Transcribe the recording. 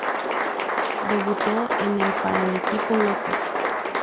Debutó en el para el equipo Lotus.